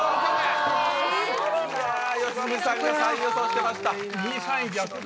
いや良純さんが３位予想してました。